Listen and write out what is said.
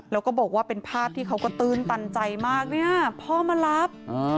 แล้วก็บอกว่าเป็นภาพที่เขาก็ตื้นตันใจมากเนี่ยพ่อมารับ